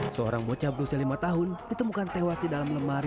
seorang bocah berusia lima tahun ditemukan tewas di dalam lemari